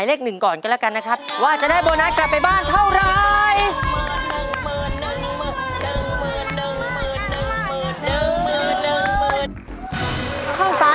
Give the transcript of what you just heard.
เหลืออีก๑ดอกต้องทำเวลาแล้วครับตอนนี้นะฮะ